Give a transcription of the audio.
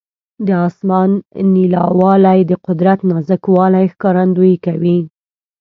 د اسمان نیلاوالی د قدرت نازک والي ښکارندویي کوي.